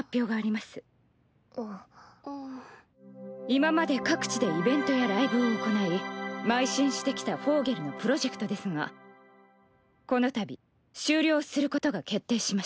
今まで各地でイベントやライブを行いまい進してきた「Ｖｏｇｅｌ」のプロジェクトですがこの度終了することが決定しました。